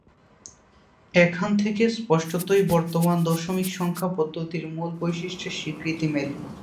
এখান থেকে স্পষ্টতই বর্তমান দশমিক সংখ্যা পদ্ধতির মূল বৈশিষ্ট্যের স্বীকৃতি মেলে।